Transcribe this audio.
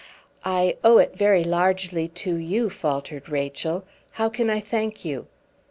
"I owe it very largely to you," faltered Rachel. "How can I thank you?"